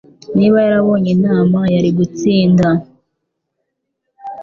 Niba yarabonye inama, yari gutsinda.